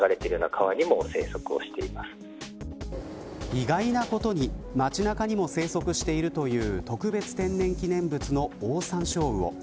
意外なことに街中にも生息しているという特別天然記念物のオオサンショウウオ。